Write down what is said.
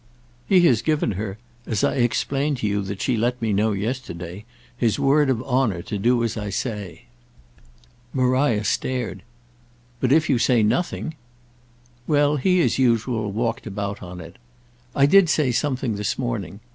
"He has given her—as I explained to you that she let me know yesterday—his word of honour to do as I say." Maria stared. "But if you say nothing!" Well, he as usual walked about on it. "I did say something this morning.